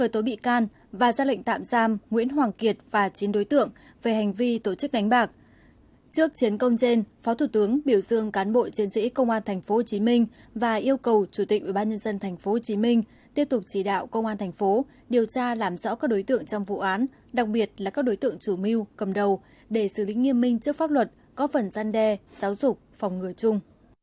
trước chiến công trên phó thủ tướng biểu dương cán bội chiến sĩ công an tp hcm và yêu cầu chủ tịch ubnd tp hcm tiếp tục chỉ đạo công an tp hcm điều tra làm rõ các đối tượng trong vụ án đặc biệt là các đối tượng chủ mưu cầm đầu để xử lý nghiêm minh trước pháp luật góp phần gian đe giáo dục phòng ngừa chung